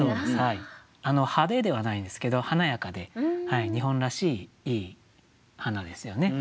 派手ではないんですけど華やかで日本らしいいい花ですよね。